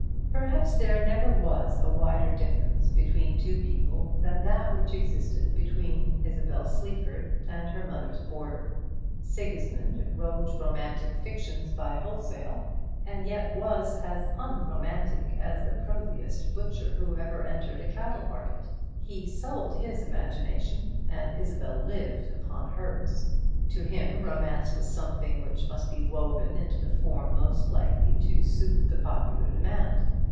Perhaps there never was a wider difference between two people than that which existed between Isabel Sleaford and her mother's boarder. Sigismund wrote romantic fictions by wholesale, and yet was as unromantic as the prosiest butcher who ever entered a cattle market. He sold his imagination, and Isabel lived upon hers. To him romance was something which must be woven into the form most likely to suit the popular demand.